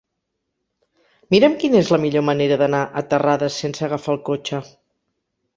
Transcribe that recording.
Mira'm quina és la millor manera d'anar a Terrades sense agafar el cotxe.